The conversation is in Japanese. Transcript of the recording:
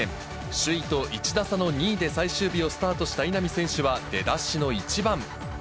首位と１打差の２位で最終日をスタートした稲見選手は出だしの１番。